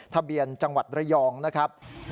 ทะเบียนจังหวัดระยองนะครับ